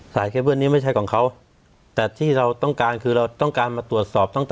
สายเคเวิร์นนี้ไม่ใช่ของเขาแต่ที่เราต้องการคือเราต้องการมาตรวจสอบ